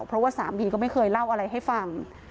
เพราะว่าสามีก็ไม่เคยเล่าอะไรให้ฟัง